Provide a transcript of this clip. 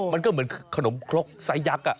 มันก็เหมือนขนมครกไซสยักษ์